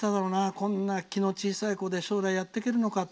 こんなに気の小さい子で将来やっていけるのかって。